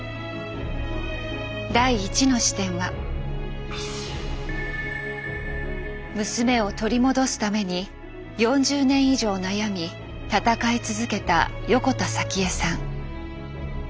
第１の視点は娘を取り戻すために４０年以上悩み闘い続けた横田早紀江さん。